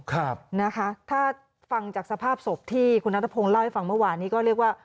ครับนะคะถ้าฟังจากสภาพศพที่คุณนัทพงศ์เล่าให้ฟังเมื่อวานนี้ก็เรียกว่า